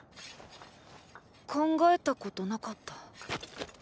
考えたことなかった。